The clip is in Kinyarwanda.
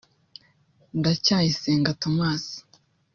Ndacayisenga Thomas